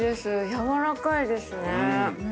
柔らかいですね。